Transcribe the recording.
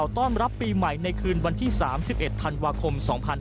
ต้อนรับปีใหม่ในคืนวันที่๓๑ธันวาคม๒๕๖๒